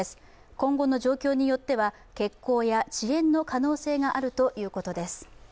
今後の状況によっては欠航や遅延の可能性があるということです。